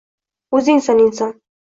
O’zingsan, inson!